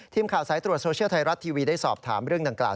ทีมข่าวสายตรวจโซเชียลไทยรัฐทีวีได้สอบถามเรื่องดังกล่า